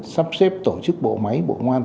sắp xếp tổ chức bộ máy bộ ngoan